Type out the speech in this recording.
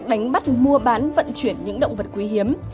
đánh bắt mua bán vận chuyển những động vật quý hiếm